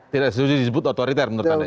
tidak setuju disebut otoriter menurut anda